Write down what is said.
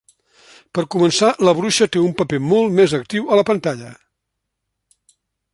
Per començar, la bruixa té un paper molt més actiu a la pantalla.